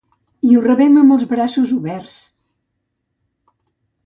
I ho rebem amb els braços oberts.